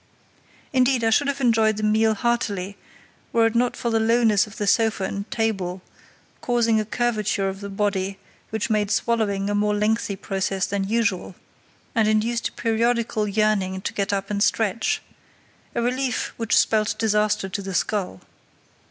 Indeed, I should have enjoyed the meal heartily were it not for the lowness of the sofa and table, causing a curvature of the body which made swallowing a more lengthy process than usual, and induced a periodical yearning to get up and stretch—a relief which spelt disaster to the skull.